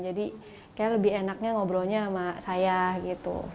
jadi kayaknya lebih enaknya ngobrolnya sama saya gitu